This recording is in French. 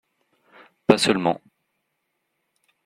Pas seulement